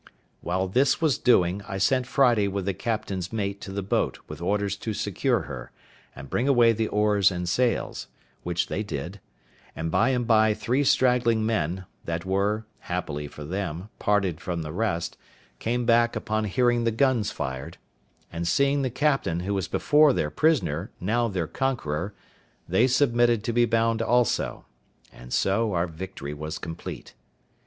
While this was doing, I sent Friday with the captain's mate to the boat with orders to secure her, and bring away the oars and sails, which they did; and by and by three straggling men, that were (happily for them) parted from the rest, came back upon hearing the guns fired; and seeing the captain, who was before their prisoner, now their conqueror, they submitted to be bound also; and so our victory was complete.